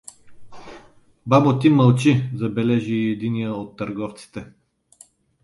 — Бабо, ти мълчи — забележи й единият от търговците.